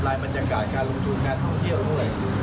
รายบรรยากาศการลงสูญงานท่องเที่ยวทุกอย่าง